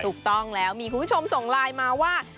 ถูกต้องแล้วมีคุณผู้ชมส่งไลน์มาว่า